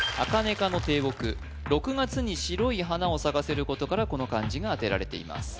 ６月に白い花を咲かせることからこの漢字があてられています